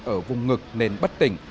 ở vùng ngực nên bất tỉnh